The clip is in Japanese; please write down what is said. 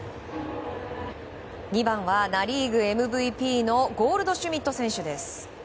２番はナ・リーグＭＶＰのゴールドシュミット選手です。